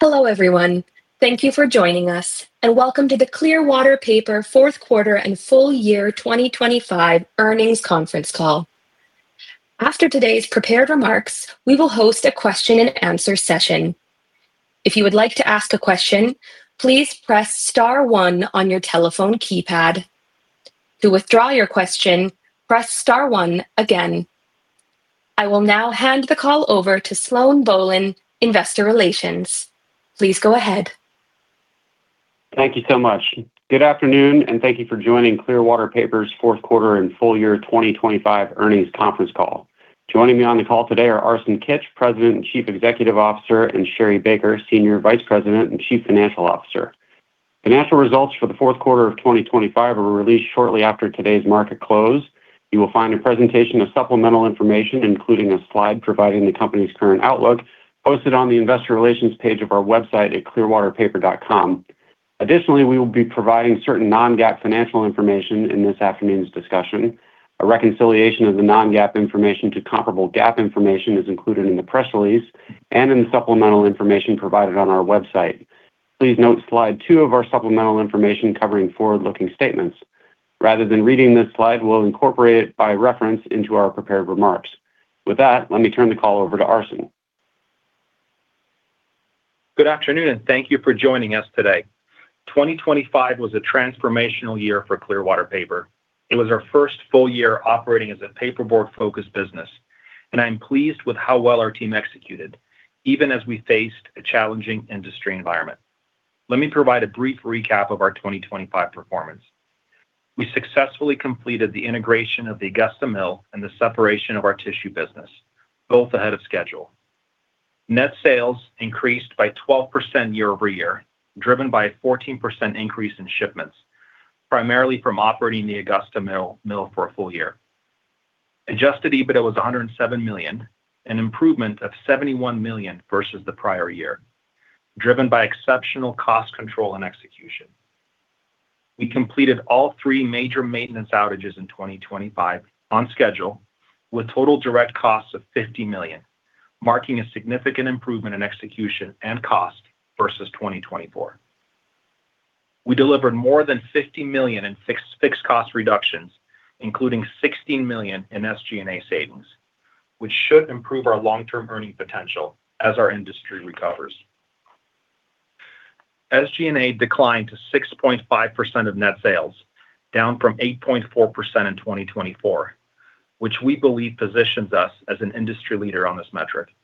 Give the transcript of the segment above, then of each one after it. Hello, everyone. Thank you for joining us, and welcome to the Clearwater Paper Fourth Quarter and Full Year 2025 Earnings Conference Call. After today's prepared remarks, we will host a question and answer session. If you would like to ask a question, please press star one on your telephone keypad. To withdraw your question, press star one again. I will now hand the call over to Sloan Bohlen, Investor Relations. Please go ahead. Thank you so much. Good afternoon, and thank you for joining Clearwater Paper's fourth quarter and full year 2025 earnings conference call. Joining me on the call today are Arsen Kitch, President and Chief Executive Officer, and Sherri Baker, Senior Vice President and Chief Financial Officer. Financial results for the fourth quarter of 2025 were released shortly after today's market close. You will find a presentation of supplemental information, including a slide providing the company's current outlook, posted on the investor relations page of our website at clearwaterpaper.com. Additionally, we will be providing certain non-GAAP financial information in this afternoon's discussion. A reconciliation of the non-GAAP information to comparable GAAP information is included in the press release and in the supplemental information provided on our website. Please note slide 2 of our supplemental information covering forward-looking statements. Rather than reading this slide, we'll incorporate it by reference into our prepared remarks. With that, let me turn the call over to Arsen. Good afternoon, and thank you for joining us today. 2025 was a transformational year for Clearwater Paper. It was our first full year operating as a paperboard-focused business, and I'm pleased with how well our team executed, even as we faced a challenging industry environment. Let me provide a brief recap of our 2025 performance. We successfully completed the integration of the Augusta Mill and the separation of our tissue business, both ahead of schedule. Net sales increased by 12% year-over-year, driven by a 14% increase in shipments, primarily from operating the Augusta Mill for a full year. Adjusted EBITDA was $107 million, an improvement of $71 million versus the prior year, driven by exceptional cost control and execution. We completed all three major maintenance outages in 2025 on schedule with total direct costs of $50 million, marking a significant improvement in execution and cost versus 2024. We delivered more than $50 million in fixed cost reductions, including $16 million in SG&A savings, which should improve our long-term earning potential as our industry recovers. SG&A declined to 6.5% of net sales, down from 8.4% in 2024, which we believe positions us as an industry leader on this metric.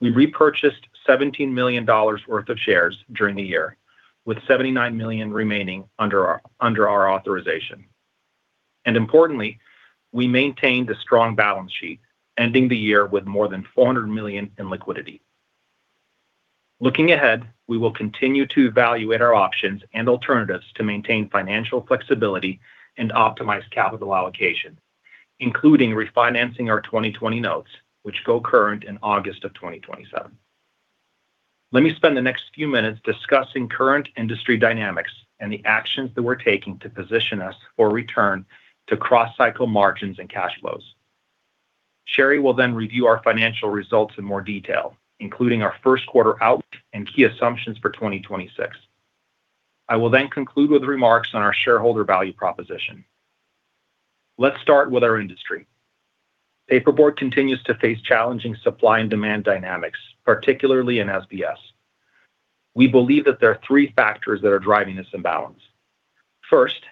We repurchased $17 million worth of shares during the year, with $79 million remaining under our authorization. And importantly, we maintained a strong balance sheet, ending the year with more than $400 million in liquidity. Looking ahead, we will continue to evaluate our options and alternatives to maintain financial flexibility and optimize capital allocation, including refinancing our 2020 notes, which go current in August of 2027. Let me spend the next few minutes discussing current industry dynamics and the actions that we're taking to position us for return to cross-cycle margins and cash flows. Sherri will then review our financial results in more detail, including our first quarter outlook and key assumptions for 2026. I will then conclude with remarks on our shareholder value proposition. Let's start with our industry. Paperboard continues to face challenging supply and demand dynamics, particularly in SBS. We believe that there are three factors that are driving this imbalance. First,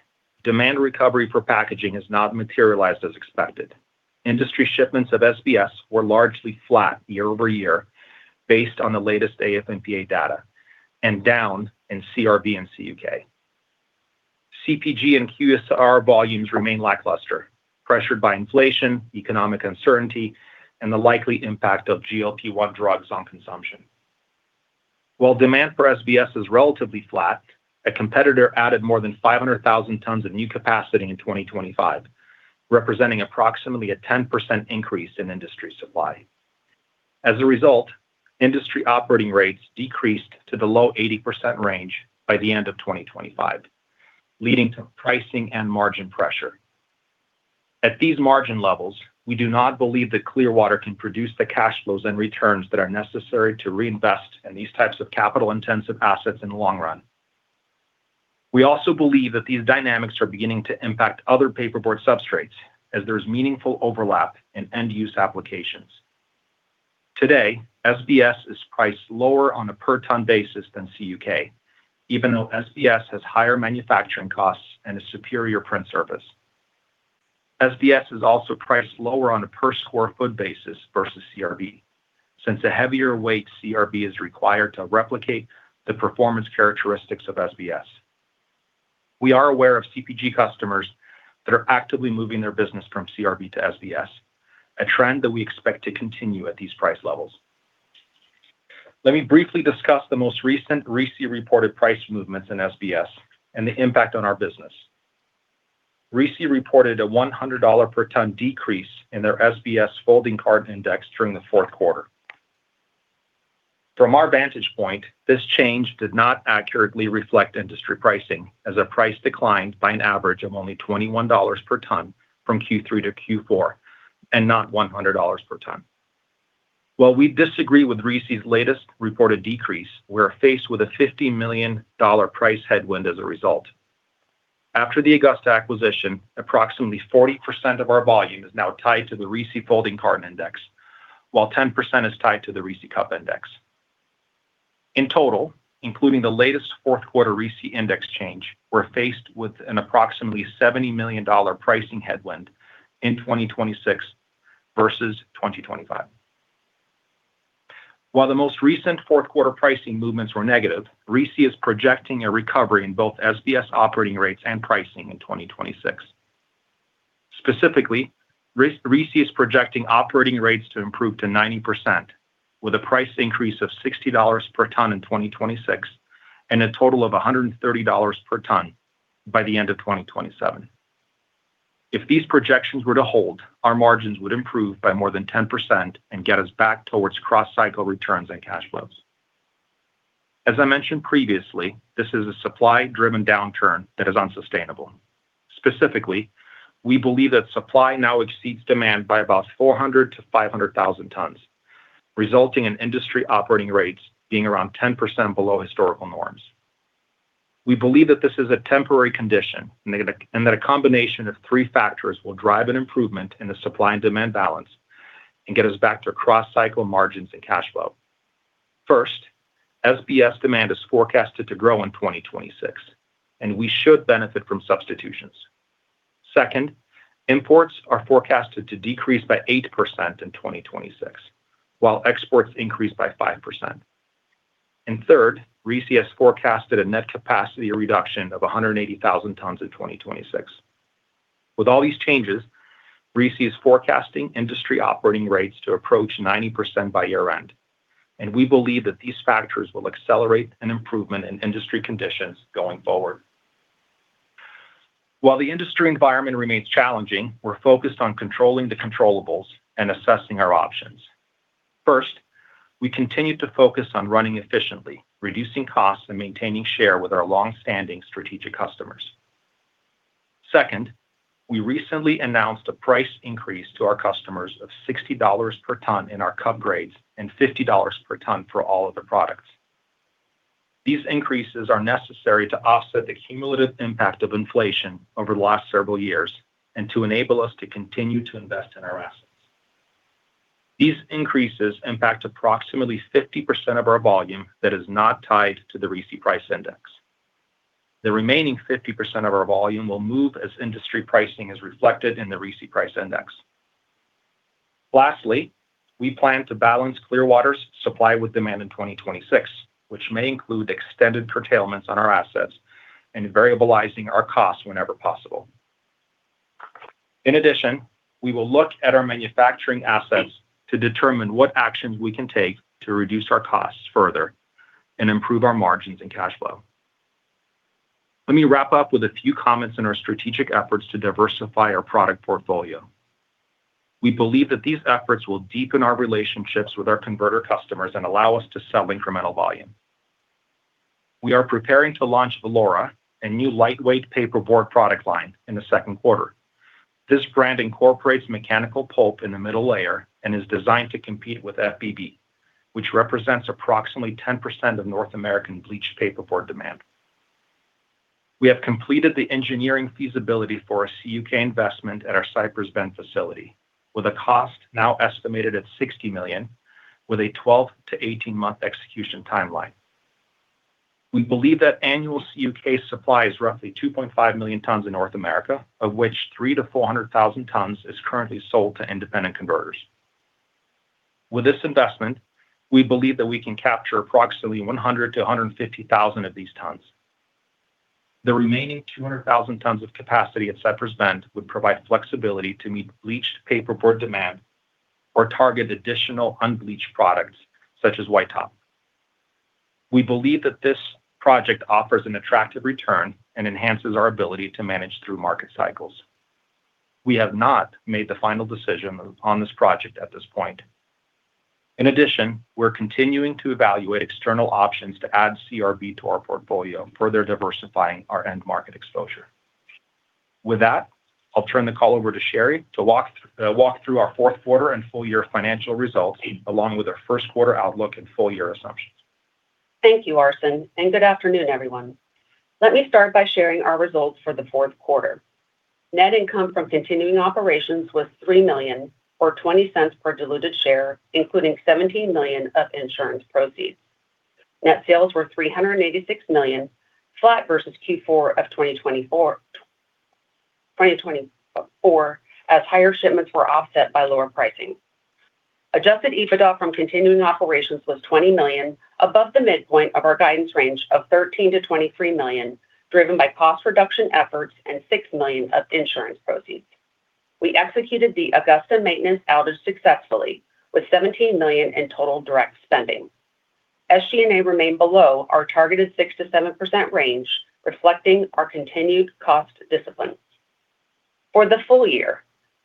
demand recovery for packaging has not materialized as expected. Industry shipments of SBS were largely flat year over year based on the latest AF&PA data and down in CRB and CUK. CPG and QSR volumes remain lackluster, pressured by inflation, economic uncertainty, and the likely impact of GLP-1 drugs on consumption. While demand for SBS is relatively flat, a competitor added more than 500,000 tons of new capacity in 2025, representing approximately a 10% increase in industry supply. As a result, industry operating rates decreased to the low 80% range by the end of 2025, leading to pricing and margin pressure. At these margin levels, we do not believe that Clearwater can produce the cash flows and returns that are necessary to reinvest in these types of capital-intensive assets in the long run. We also believe that these dynamics are beginning to impact other paperboard substrates as there is meaningful overlap in end-use applications. Today, SBS is priced lower on a per ton basis than CUK, even though SBS has higher manufacturing costs and a superior print surface. SBS is also priced lower on a per square foot basis versus CRB, since a heavier weight CRB is required to replicate the performance characteristics of SBS. We are aware of CPG customers that are actively moving their business from CRB to SBS, a trend that we expect to continue at these price levels. Let me briefly discuss the most recent RISI-reported price movements in SBS and the impact on our business. RISI reported a $100 per ton decrease in their SBS folding carton index during the fourth quarter. From our vantage point, this change did not accurately reflect industry pricing, as our price declined by an average of only $21 per ton from Q3 to Q4, and not $100 per ton. While we disagree with RISI's latest reported decrease, we're faced with a $50 million price headwind as a result. After the Augusta acquisition, approximately 40% of our volume is now tied to the RISI folding carton index, while 10% is tied to the RISI cup index. In total, including the latest fourth quarter RISI index change, we're faced with an approximately $70 million pricing headwind in 2026 versus 2025. While the most recent fourth quarter pricing movements were negative, RISI is projecting a recovery in both SBS operating rates and pricing in 2026. Specifically, RISI is projecting operating rates to improve to 90%, with a price increase of $60 per ton in 2026 and a total of $130 per ton by the end of 2027. If these projections were to hold, our margins would improve by more than 10% and get us back towards cross-cycle returns and cash flows. As I mentioned previously, this is a supply-driven downturn that is unsustainable. Specifically, we believe that supply now exceeds demand by about 400,000-500,000 tons, resulting in industry operating rates being around 10% below historical norms. We believe that this is a temporary condition, and that a combination of three factors will drive an improvement in the supply and demand balance and get us back to cross-cycle margins and cash flow. First, SBS demand is forecasted to grow in 2026, and we should benefit from substitutions. Second, imports are forecasted to decrease by 8% in 2026, while exports increase by 5%. Third, RISI has forecasted a net capacity reduction of 180,000 tons in 2026. With all these changes, RISI is forecasting industry operating rates to approach 90% by year-end, and we believe that these factors will accelerate an improvement in industry conditions going forward. While the industry environment remains challenging, we're focused on controlling the controllables and assessing our options. First, we continue to focus on running efficiently, reducing costs, and maintaining share with our long-standing strategic customers. Second, we recently announced a price increase to our customers of $60 per ton in our cup grades and $50 per ton for all other products. These increases are necessary to offset the cumulative impact of inflation over the last several years and to enable us to continue to invest in our assets. These increases impact approximately 50% of our volume that is not tied to the RISI price index. The remaining 50% of our volume will move as industry pricing is reflected in the RISI price index. Lastly, we plan to balance Clearwater's supply with demand in 2026, which may include extended curtailments on our assets and variabilizing our costs whenever possible. In addition, we will look at our manufacturing assets to determine what actions we can take to reduce our costs further and improve our margins and cash flow. Let me wrap up with a few comments on our strategic efforts to diversify our product portfolio. We believe that these efforts will deepen our relationships with our converter customers and allow us to sell incremental volume. We are preparing to launch Viora, a new lightweight paperboard product line, in the second quarter. This brand incorporates mechanical pulp in the middle layer and is designed to compete with FBB, which represents approximately 10% of North American bleached paperboard demand. We have completed the engineering feasibility for a CUK investment at our Cypress Bend facility, with a cost now estimated at $60 million, with a 12- to 18-month execution timeline. We believe that annual CUK supply is roughly 2.5 million tons in North America, of which 300,000-400,000 tons is currently sold to independent converters. With this investment, we believe that we can capture approximately 100,000-150,000 of these tons. The remaining 200,000 tons of capacity at Cypress Bend would provide flexibility to meet bleached paperboard demand or target additional unbleached products, such as White top. We believe that this project offers an attractive return and enhances our ability to manage through market cycles. We have not made the final decision on this project at this point. In addition, we're continuing to evaluate external options to add CRB to our portfolio, further diversifying our end market exposure. With that, I'll turn the call over to Sherri to walk through our fourth quarter and full year financial results, along with our first quarter outlook and full year assumptions. Thank you, Arsen, and good afternoon, everyone. Let me start by sharing our results for the fourth quarter. Net income from continuing operations was $3 million or $0.20 per diluted share, including $17 million of insurance proceeds. Net sales were $386 million, flat versus Q4 of 2024, as higher shipments were offset by lower pricing. Adjusted EBITDA from continuing operations was $20 million, above the midpoint of our guidance range of $13 million-$23 million, driven by cost reduction efforts and $6 million of insurance proceeds. We executed the Augusta maintenance outage successfully, with $17 million in total direct spending. SG&A remained below our targeted 6%-7% range, reflecting our continued cost discipline. For the full year,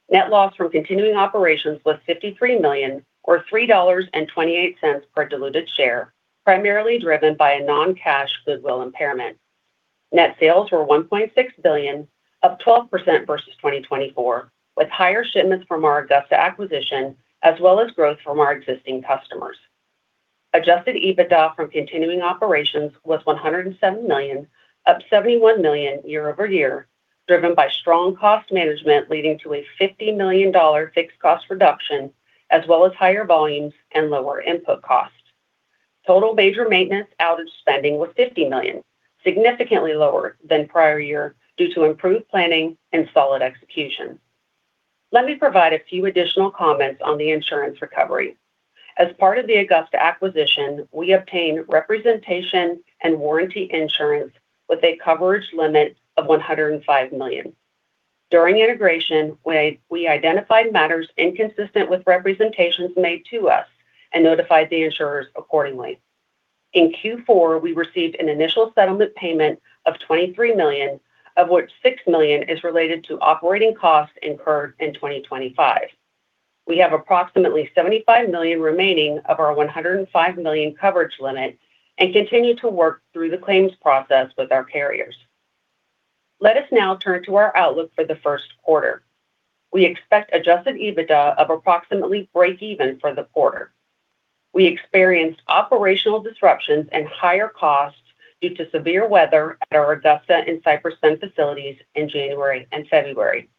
net loss from continuing operations was $53 million or $3.28 per diluted share, primarily driven by a non-cash goodwill impairment. Net sales were $1.6 billion, up 12% versus 2024, with higher shipments from our Augusta acquisition, as well as growth from our existing customers. Adjusted EBITDA from continuing operations was $107 million, up $71 million year-over-year, driven by strong cost management, leading to a $50 million fixed cost reduction, as well as higher volumes and lower input costs. Total major maintenance outage spending was $50 million, significantly lower than prior year due to improved planning and solid execution. Let me provide a few additional comments on the insurance recovery. As part of the Augusta acquisition, we obtained representation and warranty insurance with a coverage limit of $105 million. During integration, we identified matters inconsistent with representations made to us and notified the insurers accordingly. In Q4, we received an initial settlement payment of $23 million, of which $6 million is related to operating costs incurred in 2025. We have approximately $75 million remaining of our $105 million coverage limit and continue to work through the claims process with our carriers. Let us now turn to our outlook for the first quarter. We expect adjusted EBITDA of approximately break even for the quarter. We experienced operational disruptions and higher costs due to severe weather at our Augusta and Cypress Bend facilities in January and February.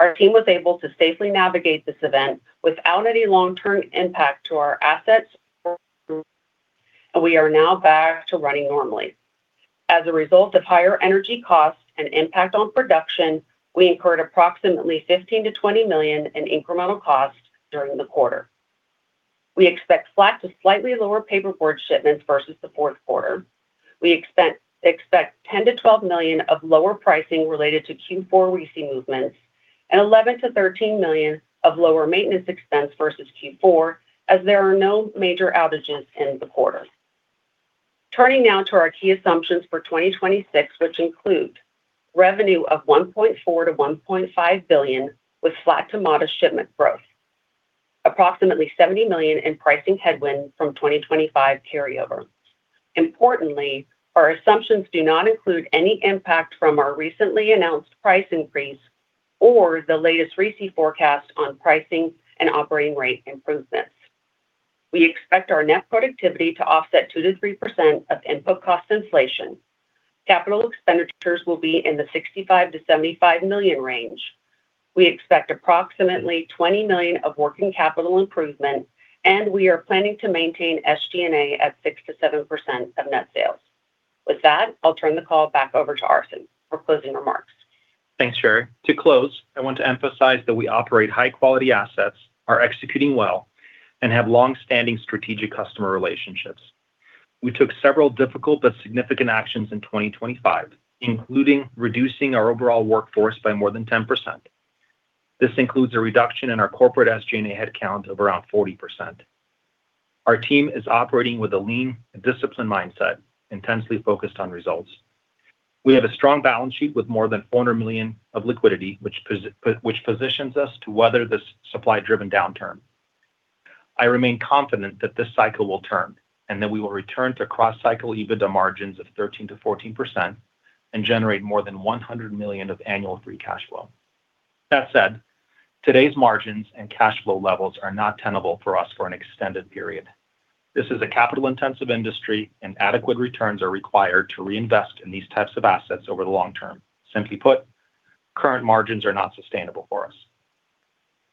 Our team was able to safely navigate this event without any long-term impact to our assets, and we are now back to running normally. As a result of higher energy costs and impact on production, we incurred approximately $15 million-$20 million in incremental costs during the quarter. We expect flat to slightly lower paperboard shipments versus the fourth quarter. We expect $10 million-$12 million of lower pricing related to Q4 RISI movements and $11 million-$13 million of lower maintenance expense versus Q4, as there are no major outages in the quarter. Turning now to our key assumptions for 2026, which include revenue of $1.4 billion-$1.5 billion, with flat to modest shipment growth, approximately $70 million in pricing headwind from 2025 carryover. Importantly, our assumptions do not include any impact from our recently announced price increase or the latest RISI forecast on pricing and operating rate improvements. We expect our net productivity to offset 2%-3% of input cost inflation. Capital expenditures will be in the $65 million-$75 million range. We expect approximately $20 million of working capital improvement, and we are planning to maintain SG&A at 6%-7% of net sales. With that, I'll turn the call back over to Arsen for closing remarks. Thanks, Sherri. To close, I want to emphasize that we operate high-quality assets, are executing well, and have long-standing strategic customer relationships. We took several difficult but significant actions in 2025, including reducing our overall workforce by more than 10%. This includes a reduction in our corporate SG&A headcount of around 40%. Our team is operating with a lean and disciplined mindset, intensely focused on results. We have a strong balance sheet with more than $400 million of liquidity, which positions us to weather this supply-driven downturn. I remain confident that this cycle will turn and that we will return to cross-cycle EBITDA margins of 13%-14% and generate more than $100 million of annual free cash flow. That said, today's margins and cash flow levels are not tenable for us for an extended period. This is a capital-intensive industry, and adequate returns are required to reinvest in these types of assets over the long term. Simply put, current margins are not sustainable for us.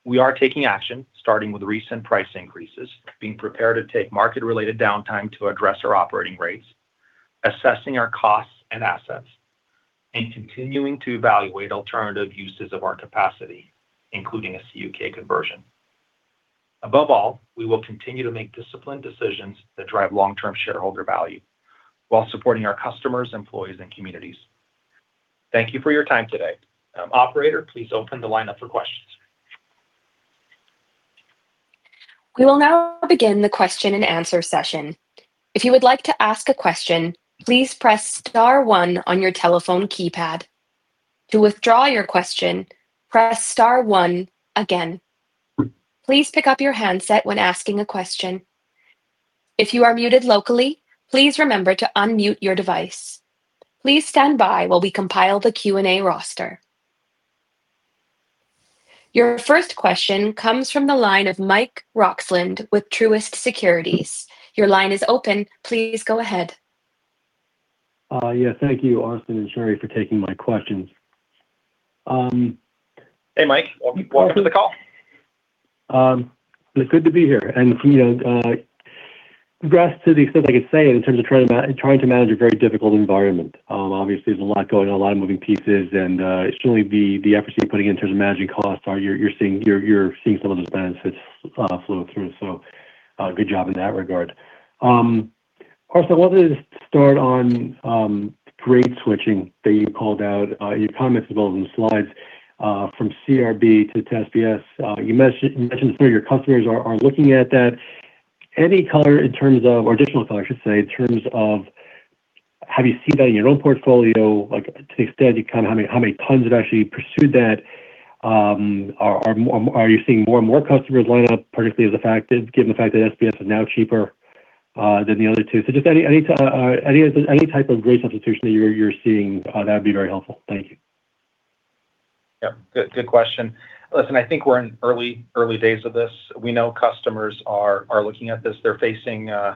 We are taking action, starting with recent price increases, being prepared to take market-related downtime to address our operating rates, assessing our costs and assets, and continuing to evaluate alternative uses of our capacity, including a CUK conversion. Above all, we will continue to make disciplined decisions that drive long-term shareholder value while supporting our customers, employees, and communities. Thank you for your time today. Operator, please open the line up for questions. We will now begin the question-and-answer session. If you would like to ask a question, please press star one on your telephone keypad. To withdraw your question, press star one again. Please pick up your handset when asking a question. If you are muted locally, please remember to unmute your device. Please stand by while we compile the Q&A roster. Your first question comes from the line of Mike Roxland with Truist Securities. Your line is open. Please go ahead. Yeah. Thank you, Arsen and Sherri, for taking my questions. Hey, Mike. Welcome to the call. It's good to be here. And, you know, congrats to the extent I could say in terms of trying to, trying to manage a very difficult environment. Obviously, there's a lot going on, a lot of moving pieces, and certainly the efforts you're putting in terms of managing costs are you're, you're seeing, you're, you're seeing some of those benefits flow through. Good job in that regard. Arsen, I wanted to start on grade switching that you called out, your comments about in the slides, from CRB to SBS. You mentioned, you mentioned some of your customers are looking at that. Any color in terms of, or additional color, I should say, in terms of, have you seen that in your own portfolio? Like, to the extent you can, how many, how many tons have actually pursued that? Are you seeing more and more customers lining up, particularly as the fact that—given the fact that SBS is now cheaper than the other two? So just any, any, any, any type of great substitution that you're, you're seeing that would be very helpful. Thank you. Yeah, good, good question. Listen, I think we're in early, early days of this. We know customers are, are looking at this. They're facing a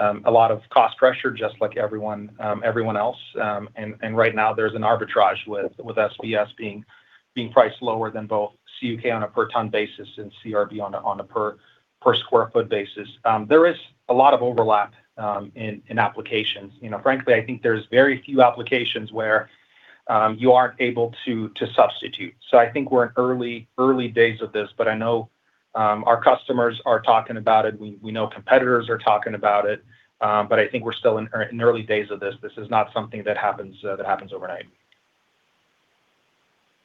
lot of cost pressure, just like everyone, everyone else. And right now there's an arbitrage with SBS being priced lower than both CUK on a per ton basis and CRB on a per square foot basis. There is a lot of overlap in applications. You know, frankly, I think there's very few applications where you aren't able to substitute. So I think we're in early, early days of this, but I know our customers are talking about it. We know competitors are talking about it, but I think we're still in early days of this. This is not something that happens overnight.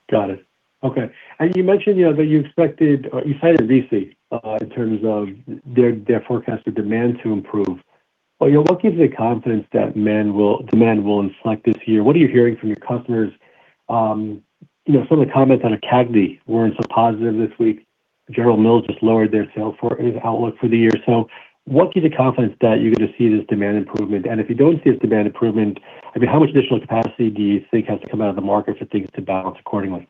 Got it. Okay. And you mentioned, you know, that you expected. You cited VC in terms of their forecasted demand to improve. But, you know, what gives you the confidence that demand will inflect this year? What are you hearing from your customers? You know, some of the comments out of CAGNY weren't so positive this week. General Mills just lowered their sales outlook for the year. So what gives you confidence that you're going to see this demand improvement? And if you don't see this demand improvement, I mean, how much additional capacity do you think has to come out of the market for things to balance accordingly?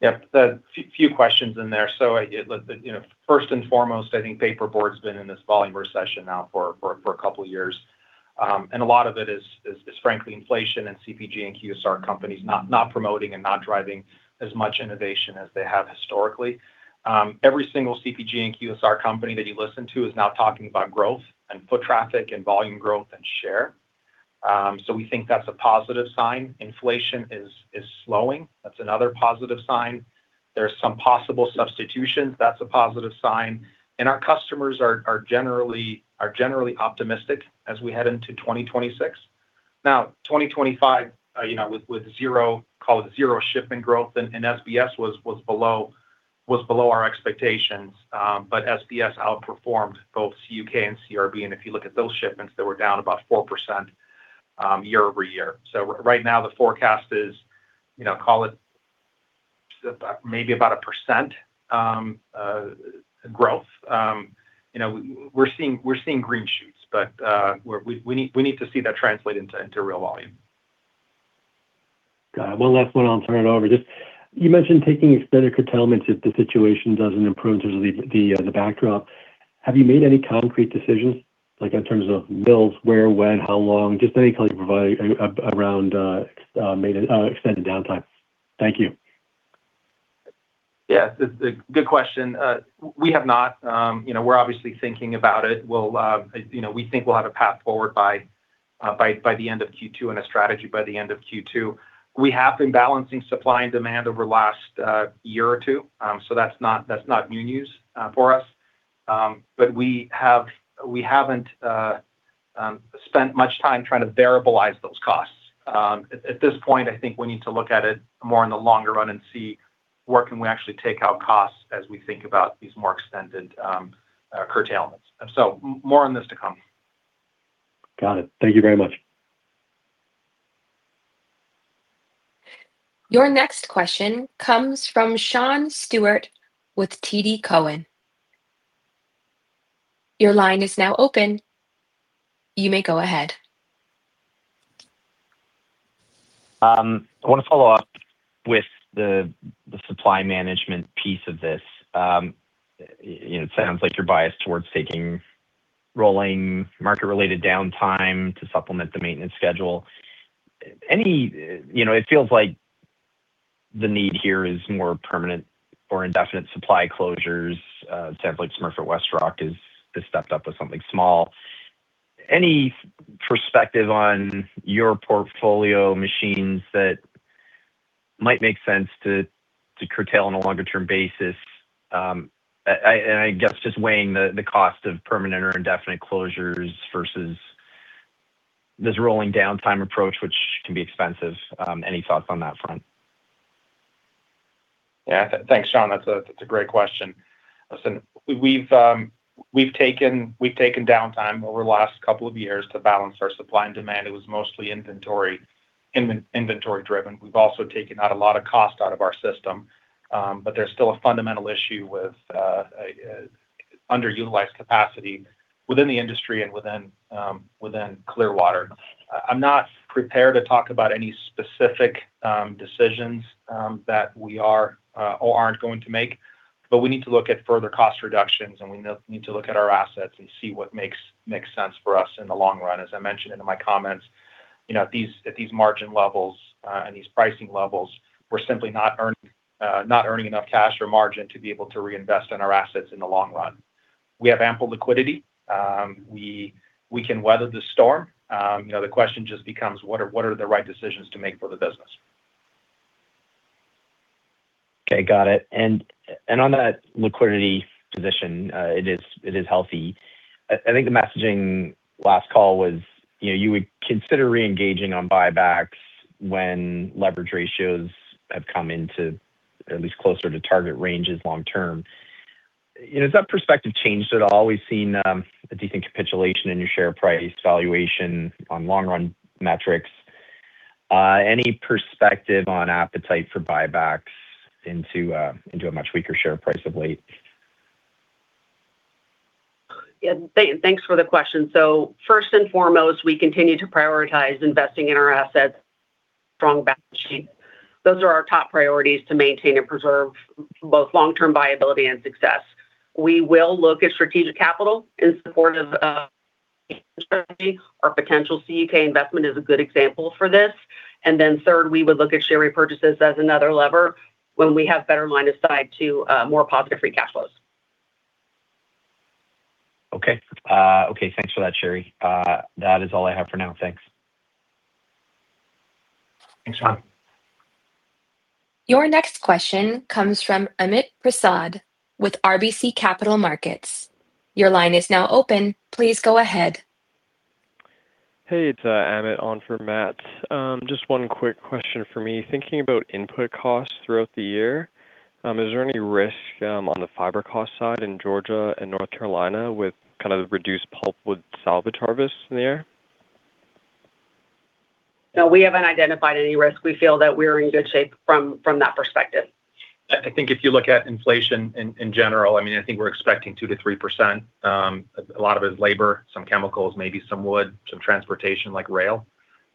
Yep. A few questions in there. So I, you know, first and foremost, I think paperboard's been in this volume recession now for a couple of years. And a lot of it is frankly, inflation and CPG and QSR companies not promoting and not driving as much innovation as they have historically. Every single CPG and QSR company that you listen to is now talking about growth and foot traffic and volume growth and share. So we think that's a positive sign. Inflation is slowing. That's another positive sign. There's some possible substitutions. That's a positive sign. And our customers are generally optimistic as we head into 2026. Now, 2025, you know, with zero, call it zero shipment growth, and SBS was below our expectations. But SBS outperformed both CUK and CRB. And if you look at those shipments, they were down about 4% year-over-year. So right now, the forecast is, you know, call it about, maybe about 1% growth. You know, we're seeing green shoots, but we need to see that translate into real volume. Got it. One last one, I'll turn it over. Just, you mentioned taking extended curtailments if the situation doesn't improve in terms of the backdrop. Have you made any concrete decisions, like in terms of mills, where, when, how long? Just any color you can provide around extended downtime. Thank you. Yes, it's a good question. We have not. You know, we're obviously thinking about it. We'll, you know, we think we'll have a path forward by the end of Q2 and a strategy by the end of Q2. We have been balancing supply and demand over the last year or two. So that's not new news for us. But we haven't spent much time trying to variableize those costs. At this point, I think we need to look at it more in the longer run and see where we can actually take out costs as we think about these more extended curtailments. So more on this to come. Got it. Thank you very much. Your next question comes from Sean Steuart with TD Cowen. Your line is now open. You may go ahead. I want to follow up with the supply management piece of this. It sounds like you're biased towards taking rolling market-related downtime to supplement the maintenance schedule. Any, you know, it feels like the need here is more permanent or indefinite supply closures. It sounds like Smurfit WestRock has stepped up with something small. Any perspective on your portfolio machines that might make sense to curtail on a longer-term basis? And I guess just weighing the cost of permanent or indefinite closures versus this rolling downtime approach, which can be expensive. Any thoughts on that front? Yeah. Thanks, Sean. That's a, that's a great question. Listen, we've taken, we've taken downtime over the last couple of years to balance our supply and demand. It was mostly inventory-driven. We've also taken out a lot of cost out of our system. But there's still a fundamental issue with underutilized capacity within the industry and within Clearwater. I'm not prepared to talk about any specific decisions that we are or aren't going to make, but we need to look at further cost reductions, and we need to look at our assets and see what makes sense for us in the long run. As I mentioned in my comments, you know, at these margin levels and these pricing levels, we're simply not earning enough cash or margin to be able to reinvest in our assets in the long run. We have ample liquidity. We can weather the storm. You know, the question just becomes: what are the right decisions to make for the business? Okay, got it. And on that liquidity position, it is healthy. I think the messaging last call was, you know, you would consider reengaging on buybacks when leverage ratios have come into at least closer to target ranges long term. Has that perspective changed at all? We've seen a decent capitulation in your share price valuation on long-run metrics. Any perspective on appetite for buybacks into a much weaker share price of late? Yeah, thanks, thanks for the question. So first and foremost, we continue to prioritize investing in our assets, strong balance sheet. Those are our top priorities to maintain and preserve both long-term viability and success. We will look at strategic capital in support of our potential CUK investment is a good example for this. And then third, we would look at share repurchases as another lever when we have better mind aside to more positive free cash flows. Okay. Okay, thanks for that, Sherri. That is all I have for now. Thanks. Thanks, Sean. Your next question comes from Amit Prasad with RBC Capital Markets. Your line is now open. Please go ahead. Hey, it's Amit on for Matt. Just one quick question for me. Thinking about input costs throughout the year, is there any risk on the fiber cost side in Georgia and North Carolina with kind of reduced pulpwood salvage harvest in the air? No, we haven't identified any risk. We feel that we're in good shape from, from that perspective. I think if you look at inflation in general, I mean, I think we're expecting 2%-3%. A lot of it is labor, some chemicals, maybe some wood, some transportation, like rail.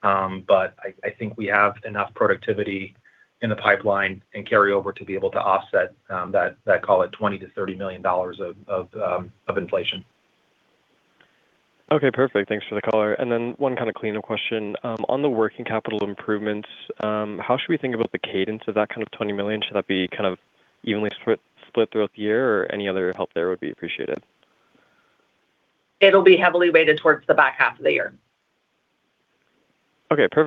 But I think we have enough productivity in the pipeline and carry over to be able to offset that call it $20 million-$30 million of inflation. Okay, perfect. Thanks for the color. And then one kind of cleanup question. On the working capital improvements, how should we think about the cadence of that kind of $20 million? Should that be kind of evenly split throughout the year, or any other help there would be appreciated? It'll be heavily weighted towards the back half of the year. Okay, perfect.